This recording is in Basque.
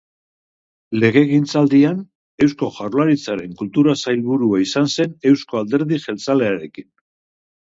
Legegintzaldian, Eusko Jaurlaritzaren Kultura Sailburua izan zen Eusko Alderdi Jeltzalearekin.